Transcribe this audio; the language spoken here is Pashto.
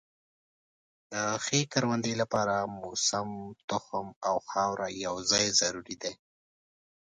د ښې کروندې لپاره موسم، تخم او خاوره یو ځای ضروري دي.